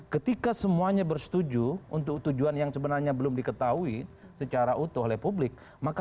ketika semuanya bersetuju untuk tujuan yang sebenarnya belum diketahui secara utuh oleh publik maka